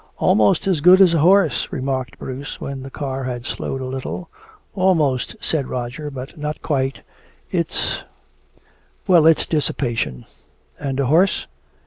"Almost as good as a horse," remarked Bruce, when the car had slowed a little. "Almost," said Roger, "but not quite. It's well, it's dissipation." "And a horse?"